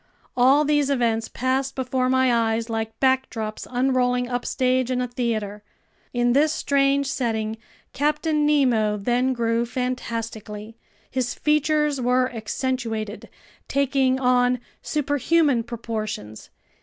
! All these events passed before my eyes like backdrops unrolling upstage in a theater. In this strange setting Captain Nemo then grew fantastically. His features were accentuated, taking on superhuman proportions.